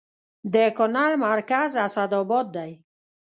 د کونړ مرکز اسداباد دی